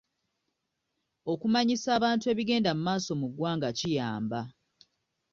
Okumanyisa abantu ebigenda mu maaso mu ggwanga kiyamba.